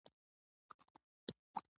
احمده! پر دې خبره کاسه کېږده.